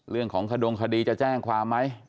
เรื่องของขดงคดีจะแจ้งความไหม